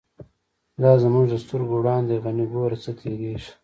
دا زمونږ د سترگو وړاندی «غنی» گوره څه تیریږی